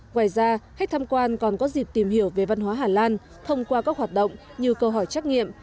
ngoài ra khách tham quan còn có dịp tìm hiểu về văn hóa hà lan thông qua các hoạt động như câu hỏi trắc nghiệm